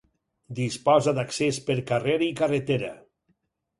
Disposa d'accés per carrer i carretera.